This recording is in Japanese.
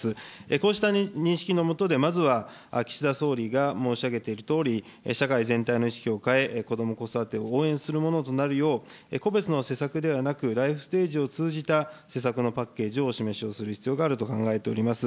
こうした認識の下で、まずは岸田総理が申し上げているとおり、社会全体の意識を変え、こども・子育てを応援するものとなるよう、個別の施策ではなくライフステージを通じた施策のパッケージをお示しをする必要があると考えております。